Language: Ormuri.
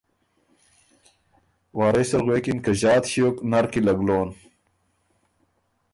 وارث ال غوېکِن که ݫات ݭیوک نر کی له ګلون